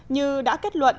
như đã kết luận